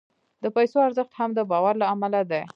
د پیسو ارزښت هم د باور له امله دی.